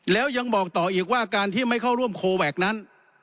แล้วยังบอกต่ออีกว่าการที่ไม่เข้าร่วมโคแวคนั้น